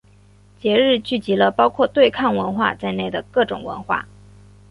节日聚集了包括对抗文化在内的各种文化。